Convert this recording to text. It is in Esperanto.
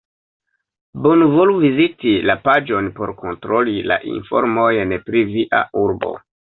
Bonvolu viziti la paĝon por kontroli la informojn pri via urbo.